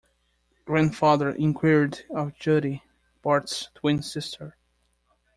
Grandfather inquired of Judy, Bart's twin sister.